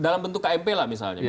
dalam bentuk kmp lah misalnya